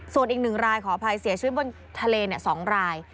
ส่วนอีก๑รายขออภัยเสียชีวิตบนทะเล๒ราย